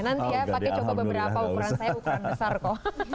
nanti ya pakai coba beberapa ukuran saya ukuran besar kok